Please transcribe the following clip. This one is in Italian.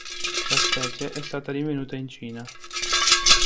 La specie è stata rinvenuta in Cina.